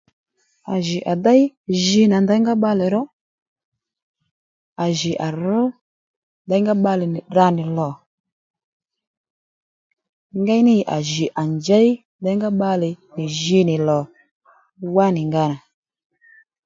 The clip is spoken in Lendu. À jì à déy jǐ nà nděyngá bbalè ró à jì à rř nděyngá bbalè nì tdrǎ nì lò ngéynì à jì à njěy nděyngá bbalè nì jǐ nì lò wá nì nga nà